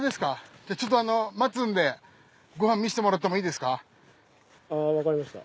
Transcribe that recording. じゃあちょっと待つんでご飯見せてもらってもいいですか。わかりました。